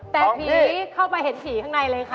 แต่ผีเข้าไปเห็นผีข้างในเลยค่ะ